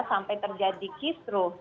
sampai terjadi kisruh